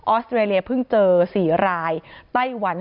ออสเตรเลียเพิ่งเจอ๔ราย